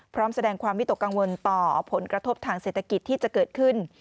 พร้อมแสดงความวิตกกังวลต่อผลกระทบทางเศรษฐกิจที่จะเกิดขึ้น